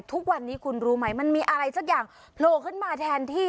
ทุกวันนี้คุณรู้ไหมมันมีอะไรสักอย่างโผล่ขึ้นมาแทนที่